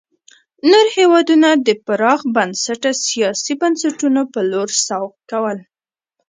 نور هېوادونه د پراخ بنسټه سیاسي بنسټونو په لور سوق کول.